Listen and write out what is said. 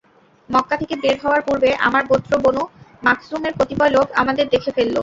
মক্কা থেকে বের হওয়ার পূর্বে আমার গোত্র বনু মাখযূমের কতিপয় লোক আমাদের দেখে ফেলল।